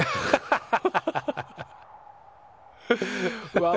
ハハハハ。